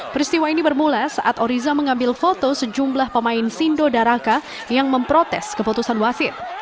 peristiwa ini bermula saat oriza mengambil foto sejumlah pemain sindo daraka yang memprotes keputusan wasit